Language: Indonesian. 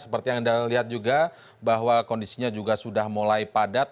seperti yang anda lihat juga bahwa kondisinya juga sudah mulai padat